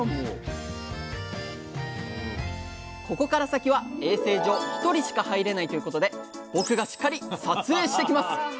ここから先は衛生上一人しか入れないということで僕がしっかり撮影してきます！